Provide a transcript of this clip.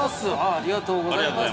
◆ありがとうございます。